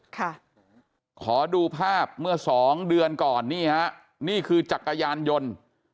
ขอดูภาพเมื่อสองเดือนก่อนนี่ฮะนี่คือจักรยานยนต์